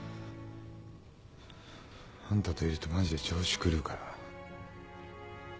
あんたといるとマジで調子狂うから。